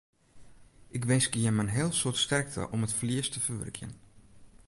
Ik winskje jimme in heel soad sterkte om it ferlies te ferwurkjen.